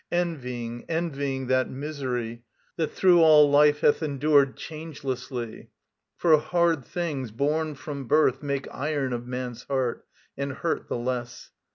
Envying, envying that misery That through all life hath endured changelessly. For hard things borne from birth Make iron of man's heart, and hurt the less.